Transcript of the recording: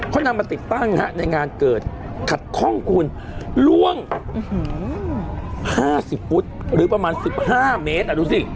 เขานำมาติดตั้งในงานเกิดขัดข้องคุณล่วง๕๐ฟุตหรือประมาณ๑๕เมตรดูสิ